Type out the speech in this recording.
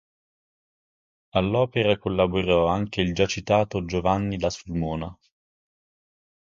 All'opera collaborò anche il già citato Giovanni da Sulmona.